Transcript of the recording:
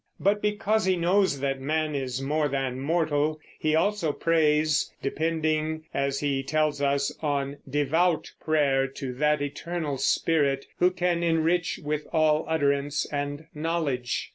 But because he knows that man is more than mortal he also prays, depending, as he tells us, on "devout prayer to that Eternal Spirit who can enrich with all utterance and knowledge."